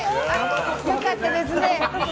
良かったですね。